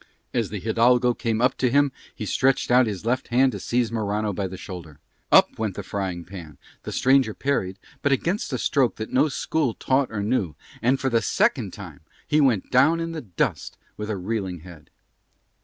As the hidalgo came up to him he stretched out his left hand to seize Morano by the shoulder. Up went the frying pan, the stranger parried, but against a stroke that no school taught or knew, and for the second time he went down in the dust with a reeling head.